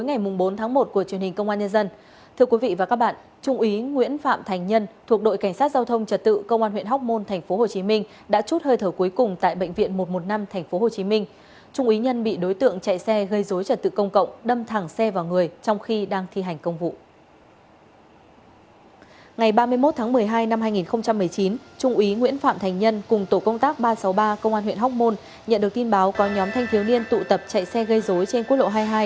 ngày ba mươi một tháng một mươi hai năm hai nghìn một mươi chín trung úy nguyễn phạm thành nhân cùng tổ công tác ba trăm sáu mươi ba công an huyện hóc môn nhận được tin báo có nhóm thanh thiếu niên tụ tập chạy xe gây dối trên quốc lộ hai mươi hai